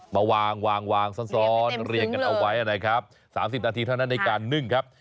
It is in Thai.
มาวางวางซ้อนเรียงกันเอาไว้นะครับ๓๐นาทีเท่านั้นในการนึ่งครับ